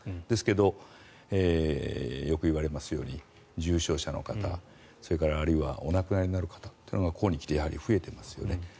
ですけど、よく言われますように重症者の方、それからお亡くなりになる方というのがここに来てやはり増えてますよね。